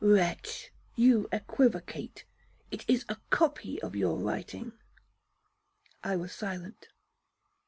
'Wretch! you equivocate, it is a copy of your writing.'—I was silent.